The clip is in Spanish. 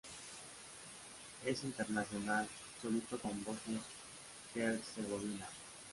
Es internacional absoluto con Bosnia-Herzegovina.